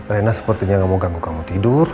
rina sepertinya nggak mau ganggu kamu tidur